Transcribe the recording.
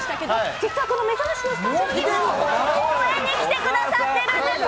実はこのめざましのスタジオにも応援に来てくださっているんです。